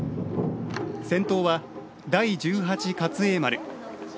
先頭は「第十八克栄丸」。